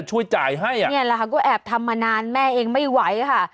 ช่วยจ่ายให้อ่ะเนี่ยแหละค่ะก็แอบทำมานานแม่เองไม่ไหวค่ะ